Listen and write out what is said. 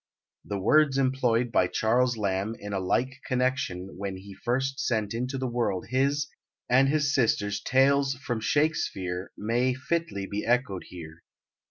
The words employed by Charles Lamb in a like connection when he first sent into the world his and his sister's "Tales from Shakespeare" may fitly be echoed here.